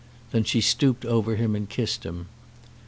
Then she stooped over him and kissed him.